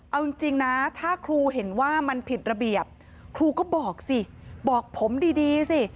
เอาจริงนะถ้าครูเห็นว่ามันผิดระเบียบครูก็บอกสิบอกผมดีสิ